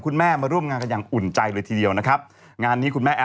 แต่สุดท้ายแล้วถ้ามันไม่ได้